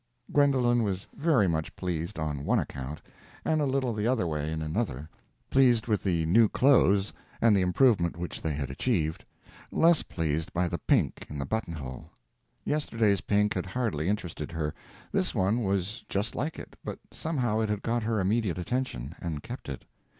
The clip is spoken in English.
Gwendolen was very much pleased, on one account, and a little the other way in another; pleased with the new clothes and the improvement which they had achieved; less pleased by the pink in the buttonhole. Yesterday's pink had hardly interested her; this one was just like it, but somehow it had got her immediate attention, and kept it.